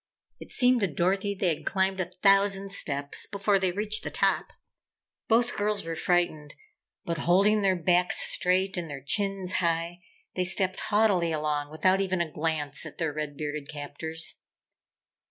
It seemed to Dorothy they had climbed a thousand steps before they reached the top. Both girls were frightened, but holding their backs straight and their chins high, they stepped haughtily along without even a glance at their red bearded captors.